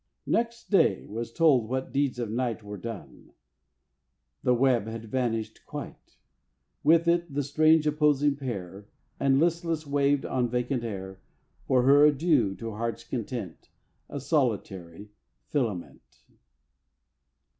Next day was told what deeds of night Were done; the web had vanished quite; With it the strange opposing pair; And listless waved on vacant air, For her adieu to heart's content, A solitary filament.